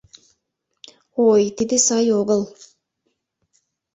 Ой, тиде сай огыл.